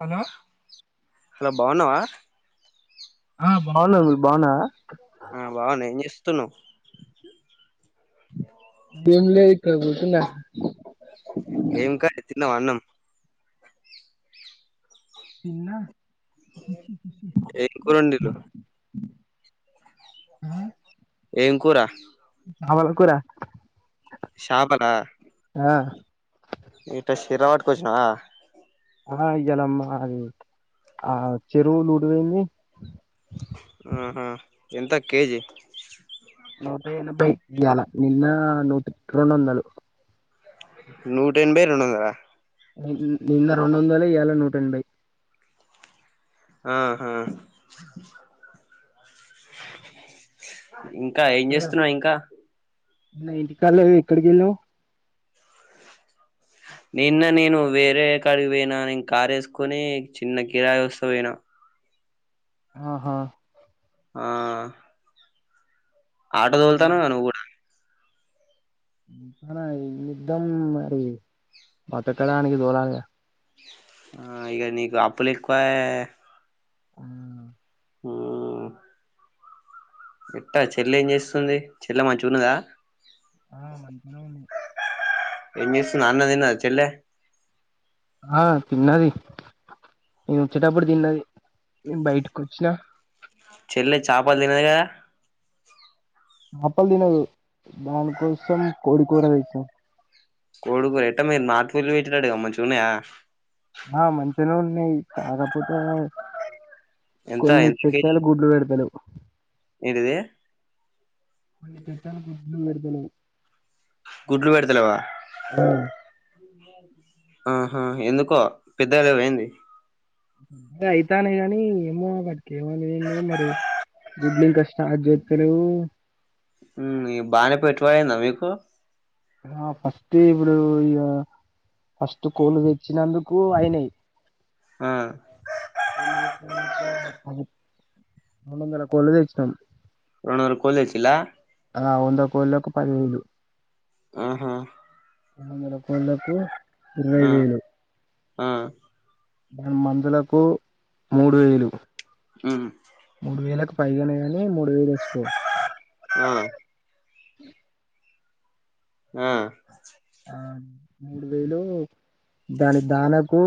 Hello hello బాగున్నావా ఆ బాగున్నా మీరు బాగున్నారా ఆ బాగున్న ఏం జేస్తున్నావ్ ఏంలే ఇక్కడ గూచ్చున్న ఏం కర్రీ తిన్నావా అన్నం తిన్నా ఏం కూర వండీలు ఏం కూర అవళకురా శాపలా ఆ ఇట్ శరా వాట్ కచ్చినవా ఆ ఇయలమ్మా అది ఆ చెరువు డువయింది ఆహ ఎంత కేజీ నూట ఎనభై ఇయాల నిన్న నూట రెండొదలు నూట ఎనభై రెండు వందల నిన్న రెండుందాలు ఇయాల నూట ఎనభై ఆహా ఇంకా ఏం చేస్తున్నా ఇంకా నిన్న ఇంటికిలవు ఎక్కడికిళ్ళావు నిన్న నేను వేరే కాడికి పోయినా నేను కార్ వేసుకొని చిన్న కిరాయి వస్త పోయినా ఆహా ఆ ఆటో మరి దోల్తానవ్ గా నువ్వు కూడా ఇకానా నిద్దం మరి బతకడానికి దోలాగా ఆ ఇక నీకు అప్పులు ఎక్కువ ఆ ఆ ఎట్ట చెల్లె ఏం చేస్తుంది చెల్లె మంచుకున్నాదా ఆ మంచిగా ఉంది ఏం చేస్తుంది అన్నం తిన్నాదా చెల్లే ఆ తిన్నది నేను వచ్చేటప్పుడు తిన్నది నే బయటకి వచ్చినా చెల్లే చేపలు తినేది కదా ఆపల్ తినదు దాని కోసం కోడి కుర్ర కం కోడుకురు ఎట్ట మీరు నాటుకు వెళ్లి పెట్నాడు మంచిగా ఉన్నాయా ఆ మంచిగానే ఉన్నాయి కాకపోతే ఎంత కొన్ని ఎంత కేజీ పెట్టలు గుడ్లు పెడతాలెవ్ ఏంటిది కొన్ని పెట్టాలు గుడ్లలు పెడతాలేవ్ గుడ్రు పెడతలెవా ఆ అ ఆహా ఎందుకో పెద్దలువైంది అ అయితానే నీ ఏమో అక్కడికి ఏమోని ఏ మరి గుడ్లు ఇంకా స్టార్ట్ చేయటలేవు బానే పెట్టువాడిందా మీకు ఫస్ట్ ఇప్పుడు ఇ ఫస్ట్ కోలు తెచ్చినందుకు అయినయి ఆ [unintelligible] మూడు వందల కోళ్లు తెచ్చినాం రెండు వందల కోళ్లు తెచ్చిల్లా ఆ వంద కోళ్లకి పదివేలు ఆహా ముడు వందల కోల్లకు ఇరవై ఆ వేలు ఆ దాని మందులకు మూడు వేలు ఉమ్ మూడు వేలకు పైగానే నీ మూడు వేలు వేసుకో ఆ ఆ ఆ మూడు వేలు దాని దానకు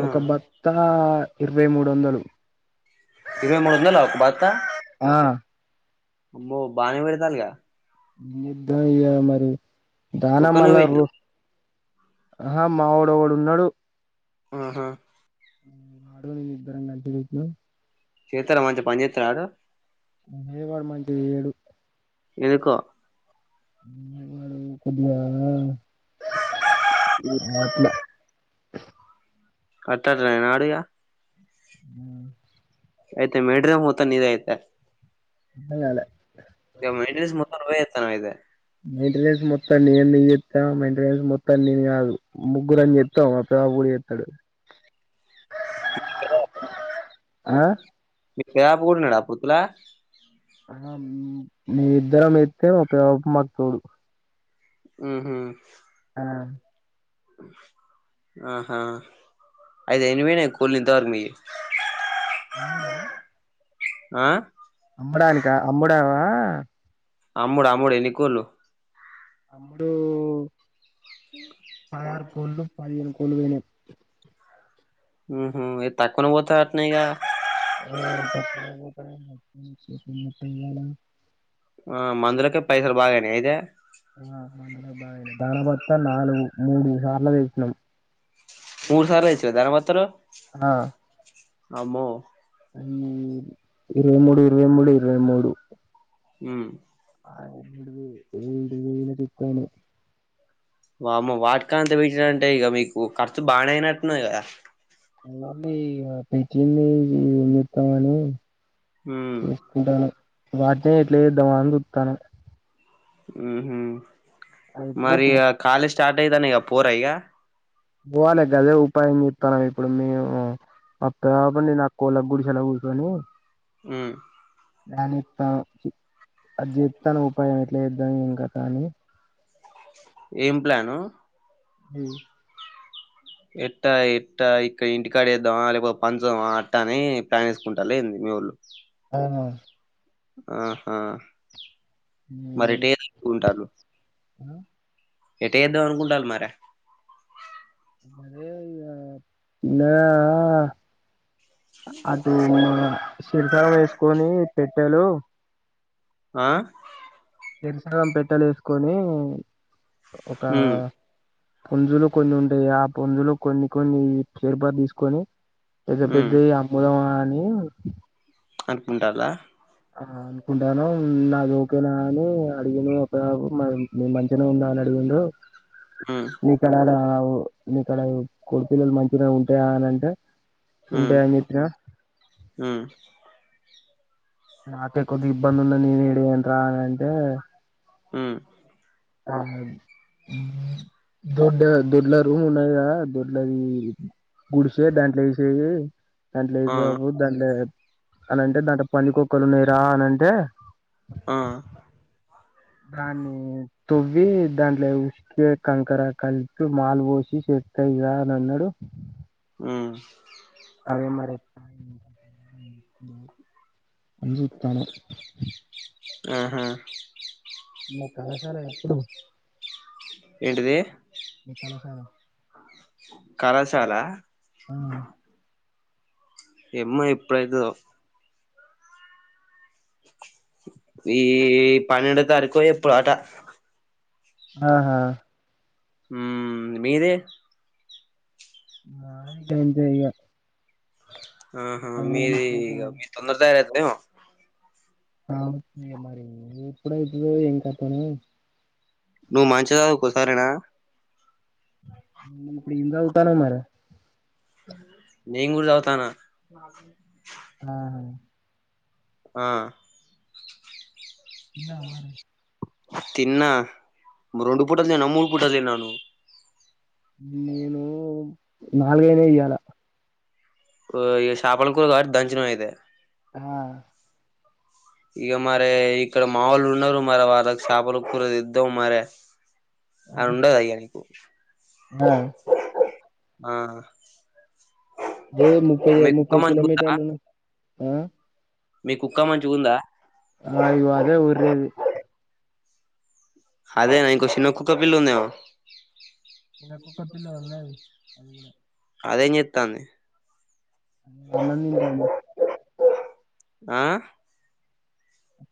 ఆ ఒక బత్త ఇరవై మూడు వందలు ఇరవై మూడు వందలు ఒక బత్త ఆ అమ్మో బాగానే పెడతల్లుగా ద్ద ఇగా మరి దాన ఒక్కనివే మళ్ళ రో పెట్టినవా ఆహా మావోడు ఒకడు ఉన్నాడు ఆహా అడు నేను ఇద్దరం కలిసి తెచ్చినం చెత్తాడ మంచిగా పని చెత్తాడ వాడు ఏ వాడు మంచిగా చేయడు ఎకో కొద్దిగా ఆట్లా అట్లనే ఆడు ఇగా హ్ అయితే మెటీరియల్ మొత్తం నీది అయితే అర్థం కాలే ఇగా మొత్తం నువ్వే చెత్తన్నావ్ అయితే మెయింటెనెన్స్ మొత్తం నేను ఎందుకు చెత్త మెయింటెనెన్స్ మొత్తం నేను కాదు ముగ్గురాము చెత్తం బడి చెత్తాడు అ ఆ మీ పాప కూడా ఉన్నాడు. పూతులా ఆ మీ ఇద్దరం ఎత్తే ఒక మాకు తోడు ఉహ్ ఆ ఆహా అయితే ఎన్ని పోయినాయి కోళ్లు ఇంతవరకు మీవి అమ్ముడా ఆ అమ్మడానికా అమ్ముడామా అమ్ముడు అమ్ముడు ఎన్నికోళ్లు అమ్ముడు పదాహరు కోళ్లు పదిహేను కోళ్లు పోయినాయి ఉహ్ తక్కువనే పోత అట్న ఉన్నయిగా ఆ ఒక ఆ మందులకే పైసలు బాగా ఆయినయా అయితే ఆ మందులకు బాగా అయినాయి దాన భత్త నాలుగు మూడు సార్లు తెచ్చినం మూరు సార్లు తెచ్చినవ దాన బత్తలు అ ఇరవై మూడు ఇరవై మూడు ఇరవై మూడు ఉ ఆ ఎడు ఏడు అల చెప్పాను వామ్మో వాటికాంత పెంచిడంటే ఇగ మీకు ఖర్చు బానే అయినట్టున్నది కదా అవన్ని ఇగ పెట్టింది నిర్తాను ఊ ఉంటాను వాటితో ఎట్ల చేద్దామ అని చుత్తాను అయితే మరిగ కాలేజ్ స్టార్ట్ అయితాంది గా పొర ఇగ పోవాలి గదే ఉపాయం చెప్తున్నాము ఎప్పుడు ఉందో ఏమో అక్క గకున్ని నా కోలా గుడ సెలవుకొని ఉ దనితో అది చెప్స్తాను ఉపాయం ఎట్లా చేద్దాం ఏం కథ అనీ ఏం ప్లాను ఉ ఎట్టా ఎట్టా ఇక్కడ ఇంటికాడ వేద్దామా లేకపోతే పంచమా అట్టా అని ప్లాన్ చేేసుకుంటాళ్ల ఏంది మీ ఓళ్ళు అవును ఆహా ఉ మరి టే ఉంటాలు ఆ ఎట్ట చేద్దాం అనుకుంటల్ మరి అదే ఇగ అటు శరికారం వేసుకొని పెట్టలు ఆ చెరిసగం పెట్టలు వేసుకొని ఒక ఉమ్ పుంజులు కొన్ని ఉంటాయి ఆ పుంజులు కొన్ని కొన్ని చేేరుపా తీసుకొని పెద్ద పెద్ద ఉమ్ అమ్ముదమని అనుకుంటాలా ఆ అనుకుంటాను నాది ఓకేనా అని అడిగిను ఒక మ మే మంచినే ఉన్నా అని అడిగిండు ఉ మీకడడ మీక్కడ కొడిపిల్లలు మంచిన ఉంటాయా అని అంటే ఉ ఉంటాయని చెప్పిన ఉ నాకే కొద్ది ఇబ్బంది ఉన్నా నేనే ఇడియంట్రా అని అంటే ఉ ఆ దొడ్డ దొడ్లా రూ ఉన్నాయిగా దొడ్లది గుడిసే దాంట్లో వేసేసే దాంట్లో ఆ అయిపోకపో దాంట్లో అనంటే దాంట్లో పందికొక్కలు ఉన్నాయిరా అనంటే ఆ దాన్ని తోవ్వి దాంట్లో కే కంకర కల్పి మాల్ వోసి సెత్త ఇగ అన్న్నాడు ఉ అదే మరి అని చుతన ఆహా ఇంగ కళాశాల ఎప్పుడు ఏంటిది మీ కళాశాల కళాశాల ఆ ఏమ్మ ఎప్పుడైదో ఈ పన్నెండో తారీకు ఎప్పుడు ఆట ఆహా ఉ మీది మాది గంతే ఇగా ఆహా మీది మీ తొందర తయార అవుతుమో అవు మరి ఇప్పుడ ఇతు ఏం కతానో నువ్వు మంచిదా సాధువుకో సరేనా నువ్వు ఇప్పుడు ఏం సదువుతానవ్ మరీ నేంగూర చదువుతానా మా ఆహా ఆ తిన్నావా మరి తిన్నా రెండు పుటాలు తిన్నావా మూడు పుటాలు తిన్నావా నువు నేను నాలుగు అయినాయి ఇయాల ఓ ఇగ చాపల కూర కాబట్టి దంచినవు అయితే ఆ ఇక మరే ఇక్కడ మావోలు ఉన్నారు మరే వాళ్ళకు షాపలు కూరదిద్దాం మరి ఆ అనుండద ఇగ నీకు ఏ ముప్పై మీ కుక్క ముప్పై మంచిగుందా కిలోమీటర్లు ఉన్న ఆ మీ కుక్క మంచిగా ఉందా ఆ ఇగో అదే ఒరెది అదేనా ఇంకో చిన్న కుక్క పిల్ల ఉందేమో కుక్క పిల్ల ఉన్నది అది అదేం చెస్తాంది అన్నం తింటంది ఆ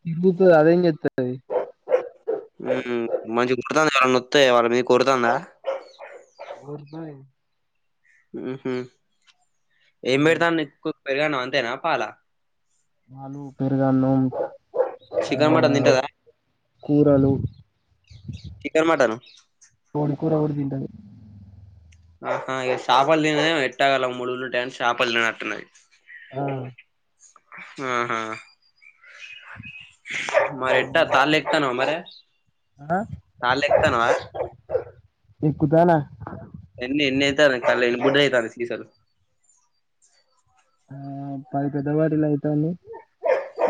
తిరుగుతది అదేం చెతది మంచిగా కుడుతుంది ఎవలా నొతాయ వాళ్ళ మీకి ఓరు తందా ఓరుతది ఏం పెడతాను నీ కుక్కకు పెరుగా అన్నం అంతేనా పాల పాలు పెరుగాన్నం చికన్ మటన్ తింటదా కూరలు చికన్ మటను కోడికూర కూడా తింటది ఆ ఇగ చాపలు తినది ఎట్టగల ములులు ఉంటయి అని చాపలు తిన నట్టున్నది ఆ ఆహా మరి ఎట్ట తాల్ ఎకుతానువా మరె తాల్ ఎకుతానవా ఎకుతనా ఎన్ని ఎన్ని అయితాన్నాయి కాలేజ్ లు [unintelligible] అయితాంది [unintelligible] ఆ పది పెద్ద బాటిల్ అయితాంది.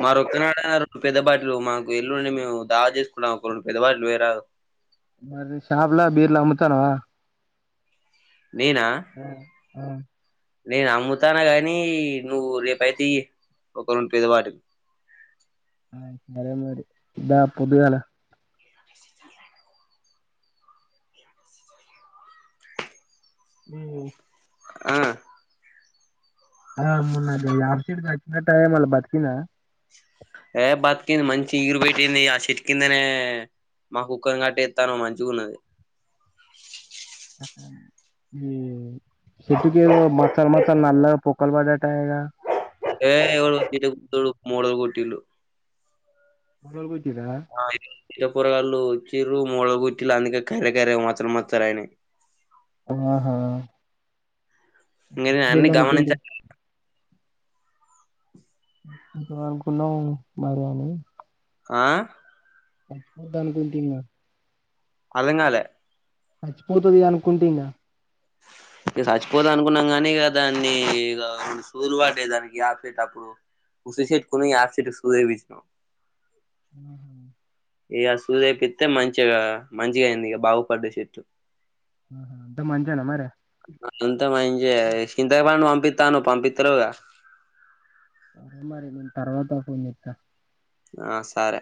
మరొక్కనాడ రెండు పెద్దబాటిలు మాకు ఎల్లుండి మేము దావత్ చేసుకుంటున్నాము ఒక రెండు పెద్దబాటిలు పోయి రాదు. మరి షాపులో బీర్లు అమ్ముతాన్నావా? నేనా? ఆ ఆ నేను అమ్ముతాన్నా గాని నువ్వు రేపుయితే ఈ ఒక రెండు పెద్ద బాటిల్. ఆ సరేలే దా పొద్దుగాల. ఉ ఆ ఆ మొన్న గా యాప చెట్టు చచ్చినట్టేనా మళ్ళా బతికిందా? ఏ బతికింది మంచి ఇగురు పెట్టింది. ఆ చెట్టు కిందనే మా కుక్కని కట్టేస్తాన్నాము మంచిగా ఉన్నది. మ్ చెట్టు కేందో మచ్చలు మచ్చలు నల్లగా పొక్కలు పడ్డట్టు అయ్ గా ఏ ఊరుకుతాడు మొదలు కొట్టిండు. ముల్లలు కుట్టిర్రా అ చిన్న పోరగాళ్ళలు వచ్చిర్రు మూలగుట్టిలు అందుకే కర్రె కర్రె మచ్చలు మచ్చలు అయినాయి. ఆహా! ఇంగ నేను అన్నీ చచ్చిపోయింది గమనించ అనుకుంటి ఇంతదాకా ఉన్నావ్ మరిఏమీ? ఆ చచ్చిపోది అనుకుంటున్నా. అర్థం కాలే చచ్చిపోతాది అనుకుంటున్నా. ఇక చచ్చిపోతాది అనుకున్నాం కాని, ఇక దాన్ని ఇక సూదులు పడ్డాయి దానికి యాప చెట్టప్పుడు చూపెట్టుకొని యాప చెట్టు కి సూది వేయించినా. ఉ ఇక సూది. ఏపిస్తే మంచిగా మంచిగా అయింది ఇక బాగుపడ్డాయి చెట్లు. అంతా మంచిగేనా మేడం. అంతా మంచే. చింతపండు పంపిస్తానుఅన్నావు పంపిస్తాలేదుగా. తర్వాత ఓపెన్ చేస్తా ఆ సరే